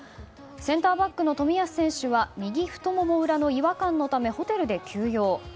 センターバックの冨安選手は右太もも裏の違和感のためホテルで休養。